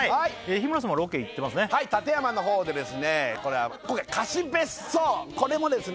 日村さんはロケ行ってますね館山のほうで今回貸別荘これもですね